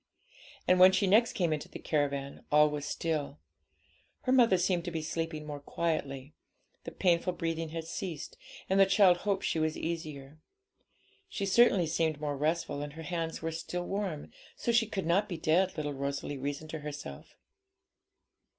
And when she next came into the caravan, all was still; her mother seemed to be sleeping more quietly, the painful breathing had ceased, and the child hoped she was easier. She certainly seemed more restful, and her hands were still warm, so she could not be dead, little Rosalie reasoned to herself.